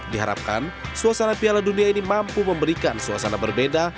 diharapkan suasana piala dunia ini mampu memberikan suasana berbeda